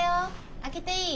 開けていい？